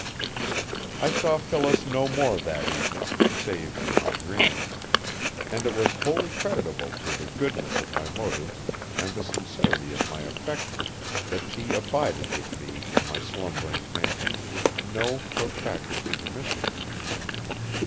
I saw Phyllis no more that evening, save in my dreams, and it was wholly creditable to the goodness of my motives and the sincerity of my affection that she abided with me in my slumbering fancies with no protracted intermissions.